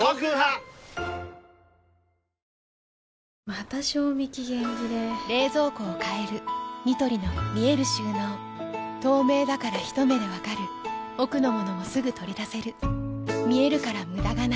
また賞味期限切れ冷蔵庫を変えるニトリの見える収納透明だからひと目で分かる奥の物もすぐ取り出せる見えるから無駄がないよし。